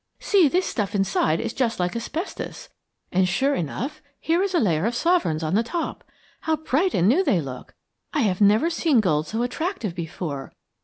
"See, this stuff inside is just like asbestos, and sure enough here is a layer of sovereigns on the top. How bright and new they look. I have never seen gold so attractive before.